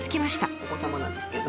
お子様なんですけど